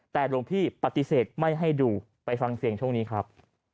แต่หลวงพี่ปฏิเสธไม่ให้ดูไปฟังเสียงช่วงนี้ครับ